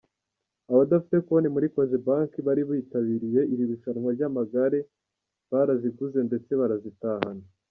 Abadafite konti muri Cogebanque bari bitabiriye iri rushanwa ry’amagare baraziguze ndetse barazitahana.